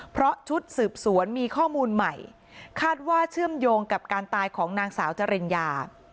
เพราะชุดสืบสวนมีข้อมูลใหม่คาดว่าเชื่อมโยงกับการตายของนางสาวจริญญา